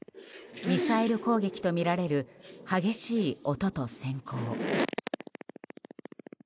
ミサイル攻撃とみられる激しい音と閃光。